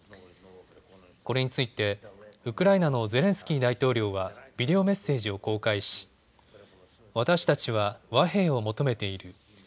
これについてウクライナのゼレンスキー大統領はビデオメッセージを公開し、私たちは和平を求めている。